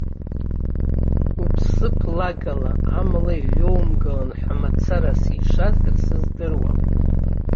Уԥсыԥ лагала, амала иҩоумгалан ҳәа мацараз сишазар сыздыруам!